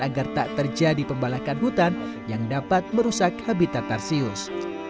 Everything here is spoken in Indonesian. agar tak terjadi pembalakan hutan yang dapat merusak habitat tarsius